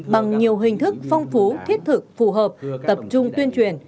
bằng nhiều hình thức phong phú thiết thực phù hợp tập trung tuyên truyền